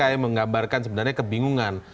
yang menggambarkan sebenarnya kebingungan